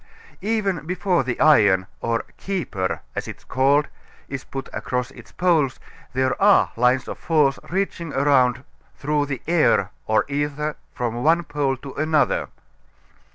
Even before the iron, or "keeper," as it is called, is put across its poles there are lines of force reaching around through the air or ether from one pole to another.